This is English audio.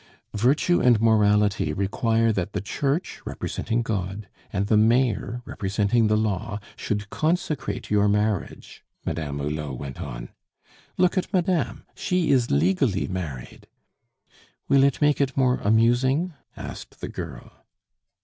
"Virtue and morality require that the Church, representing God, and the Mayor, representing the law, should consecrate your marriage," Madame Hulot went on. "Look at madame; she is legally married " "Will it make it more amusing?" asked the girl.